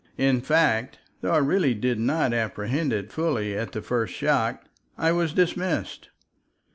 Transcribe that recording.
In fact, though I really did not apprehend it fully at the first shock, I was dismissed.